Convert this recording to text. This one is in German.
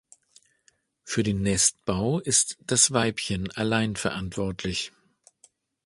Für den Nestbau ist das Weibchen allein verantwortlich.